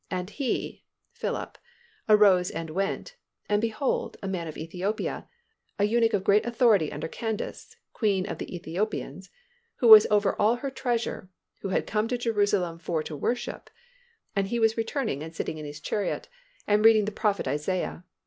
"And he (Philip) arose and went: and behold, a man of Ethiopia, a eunuch of great authority under Candace, queen of the Ethiopians, who was over all her treasure, who had come to Jerusalem for to worship; and he was returning and sitting in his chariot, and was reading the prophet Isaiah.